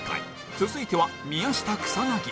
続いては宮下草薙